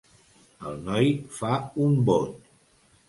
El noi fa un bot.